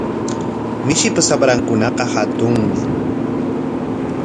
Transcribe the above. Mishipa shaprankunaqa hatunmi.